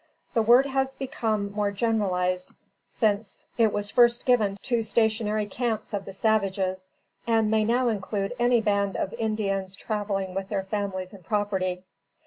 The word has become more generalized since it was first given to stationary camps of the savages, and may now include any band of Indians traveling with their families and property.